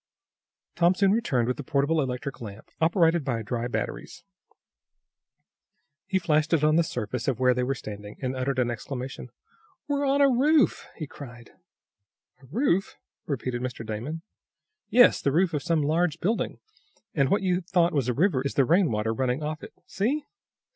Tom soon returned with the portable electric lamp, operated by dry batteries. He flashed it on the surface of where they were standing, and uttered an exclamation. "We're on a roof!" he cried. "A roof?" repeated Mr. Damon. "Yes; the roof of some large building, and what you thought was a river is the rain water running off it. See!"